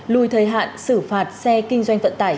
lùi thời hạn xử phạt xe kinh doanh vận tải